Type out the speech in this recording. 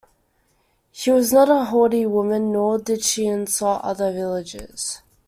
She was not a haughty woman, nor did she insult other villagers.